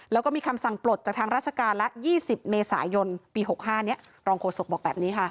แล้วก็มีคำสั่งปลดจากทางราชการละ๒๐เมษายนปี๖๕นี้รองโฆษกบอกแบบนี้ค่ะ